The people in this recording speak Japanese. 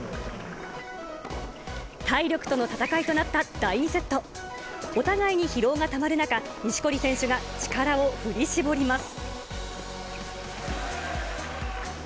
体力との戦いとなった第２セット、お互いに疲労がたまる中、錦織選手が力を振り絞ります。